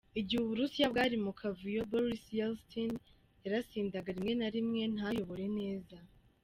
Igihe Uburusiya bwari mu kavuyo, Boris Yeltsin, yarasindaga rimwe na rimwe ntayobore neza.